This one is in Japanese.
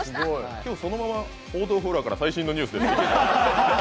今日、そのまま、報道フロアから最新のニュースを。